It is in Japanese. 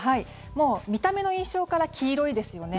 もう見た目の印象から黄色いですよね。